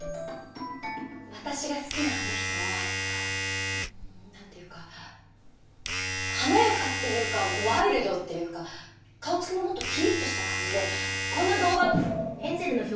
私の好きなあの人は何ていうか華やかっていうかワイルドっていうか顔つきももっとキリッとした感じでこんなどうが。